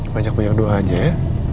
majak punya doa aja ya